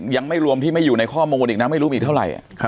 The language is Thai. ยังไม่รวมที่ไม่อยู่ในข้อมูลอีกนะไม่รู้มีเท่าไหร่